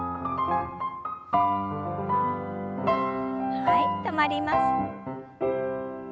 はい止まります。